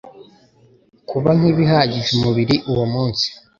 kuba nk’ibihagije umubiri uwo munsi.